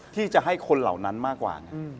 ที่จะให้คนเหล่านั้นมากกว่าไง